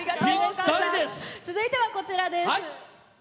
続いてはこちらです。